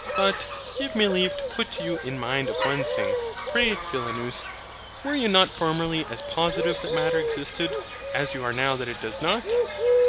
But, give me leave to put you in mind of one thing. Pray, Philonous, were you not formerly as positive that Matter existed, as you are now that it does not?